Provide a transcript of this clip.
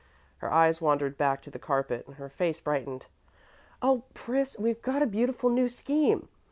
Her eyes wandered back to the carpet and her face brightened. "Oh, Pris, we've got a beautiful new scheme.